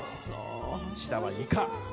こちらはイカ。